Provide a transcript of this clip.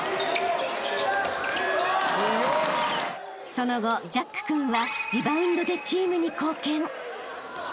［その後ジャック君はリバウンドでチームに貢献］